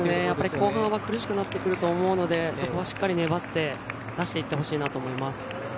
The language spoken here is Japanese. やっぱり後半は苦しくなってくると思うのでそこはしっかり粘って出していってほしいなと思います。